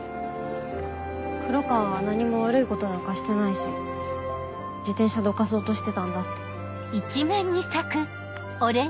黒川は何も悪いことなんかしてないし自転車どかそうとしてたんだって。